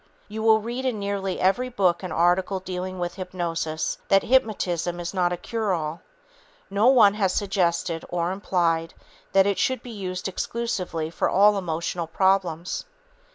You will read in nearly every book and article dealing with hypnosis that "hypnotism is not a cure all." No one has suggested or implied that it should be used exclusively for all emotional problems.